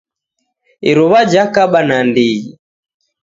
Iruwa jakaba nandighi